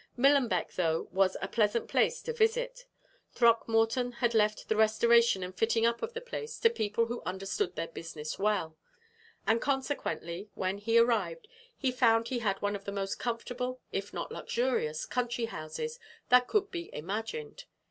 Millenbeck, though, was a pleasant place to visit. Throckmorton had left the restoration and fitting up of the place to people who understood their business well; and consequently, when he arrived, he found he had one of the most comfortable, if not luxurious, country houses that could be imagined.